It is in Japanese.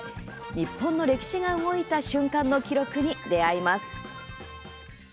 日本の歴史が動いた瞬間の記録に出会います。